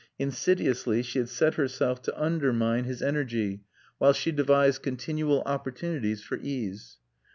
Insidiously she had set herself to undermine his energy while she devised continual opportunities for ease.